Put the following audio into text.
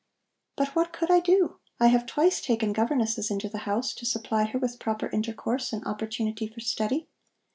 But what could I do? I have twice taken governesses into the house, to supply her with proper intercourse and opportunity for study.